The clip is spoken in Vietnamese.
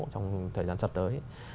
trong thời gian sắp tới